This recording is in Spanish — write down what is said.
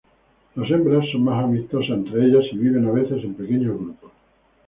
Las hembras son más amistosas entre ellas y viven a veces en pequeños grupos.